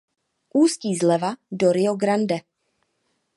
Ústí zleva do Ria Grande.